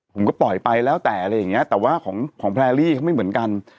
ผมก็ปล่อยไปแล้วแต่อะไรอย่างเงี้ยแต่ว่าของแพรรี่เขาไม่เหมือนกัน